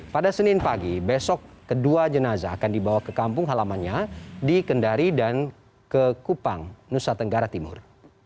pada senin pagi besok kedua jenazah akan dibawa ke kampung halamannya di kendari dan ke kupang nusa tenggara timur